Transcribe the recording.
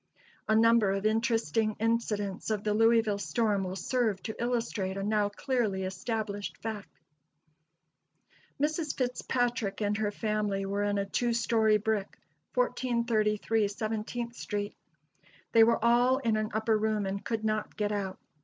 A number of interesting incidents of the Louisville storm will serve to illustrate a now clearly established fact. Mrs. Fitzpatrick and her family were in a two story brick, 1433 Seventeenth street. They were all in an upper room and could not get out.